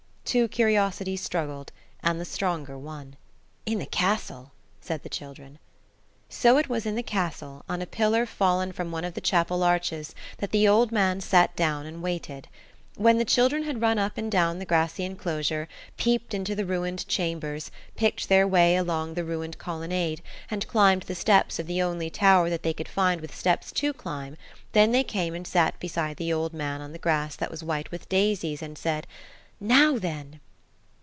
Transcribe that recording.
Two curiosities struggled, and the stronger won. "In the castle," said the children. So it was in the castle, on a pillar fallen from one of the chapel arches, that the old man sat down and waited. When the children had run up and down the grassy enclosure, peeped into the ruined chambers, picked their way along the ruined colonnade, and climbed the steps of the only tower that they could find with steps to climb, then they came and sat beside the old man on the grass that was white with daisies, and said, "Now, then!"